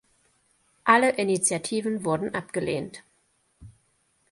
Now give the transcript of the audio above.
Alle Initiativen wurden abgelehnt.